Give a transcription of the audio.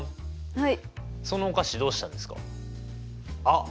はい。